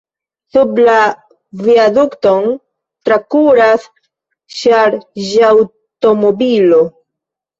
Sub la viadukton trakuras ŝarĝaŭtomobilo.